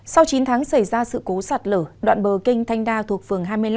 sau chín tháng xảy ra sự cố sạt lở đoạn bờ kinh thanh đa thuộc phường hai mươi năm